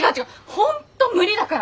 本当無理だから！